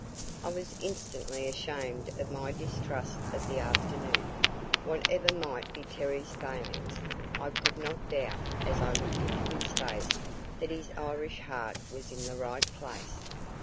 I was instantly ashamed of my distrust of the afternoon. Whatever might be Terry's failings, I could not doubt, as I looked into his face, that his Irish heart was in the right place.